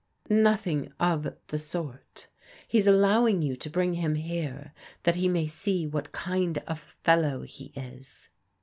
" Nothing of the sort He's allowing you to bring him here that he may see what kind of fellow he is."